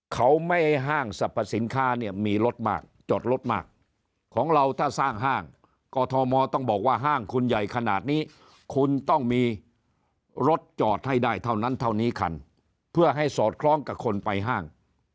เขาไม่ให้ห้างสรรพสินค้าเนี่ยมีรถมากจอดรถมากของเราถ้าสร้างห้างกอทมต้องบอกว่าห้างคุณใหญ่ขนาดนี้คุณต้องมีรถจอดให้ได้เท่านั้นเท่านี้คันเพื่อให้สอดคล้องกับคนไปห้าง